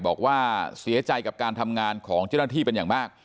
บอกว่าเสียใจกับการทำงานของเจ้าหน้าที่เป็นอย่างมาก